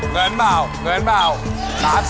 เงินเปล่า